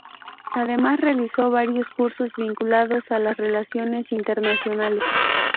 Además realizó varios cursos vinculados a las relaciones internacionales.